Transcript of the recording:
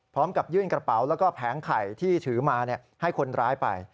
พร้อมกับยื่นกระเป๋าแล้วก็แผงไข่ที่ถือมาให้คนร้ายไป